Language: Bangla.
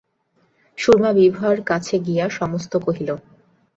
সুরমা বিভার কাছে গিয়া সমস্ত কহিল।